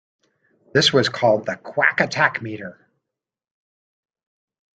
This was called the Quack Attack Meter.